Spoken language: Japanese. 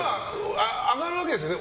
上がるわけですよね。